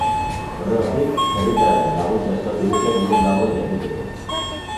Horregatik, herritarren laguntza eskatu dute non dagoen jakiteko.